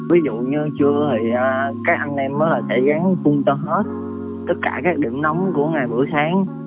ví dụ như trưa thì các anh em mới sẽ gắn phun cho hết tất cả các điểm nóng của ngày bữa sáng